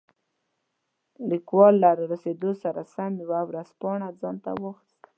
لیکوال له رارسېدو سره سم یوه ورځپاڼه ځانته واخیسته.